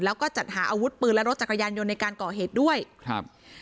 แล้วก็จัดหาอาวุธปืนและรถจักรยานยนต์ในการก่อเหตุด้วยครับ